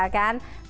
nah kemudian apa